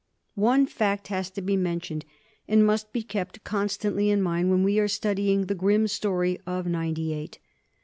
One fact has to be mentioned, and must be kept constantly in mind when we are studying the grim story of "Ninety Eight."